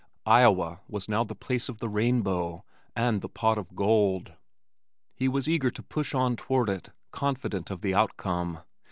Iowa was now the place of the rainbow, and the pot of gold. He was eager to push on toward it, confident of the outcome.